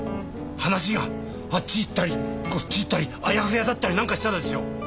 話があっち行ったりこっち行ったりあやふやだったりなんかしたらですよ？